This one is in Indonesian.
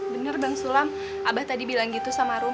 bener bang sulam abah tadi bilang gitu sama rom